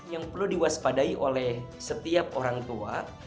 yang perlu diwaspadai oleh setiap orang tua